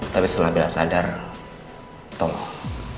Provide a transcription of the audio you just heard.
tapi setelah beliau sadar tolong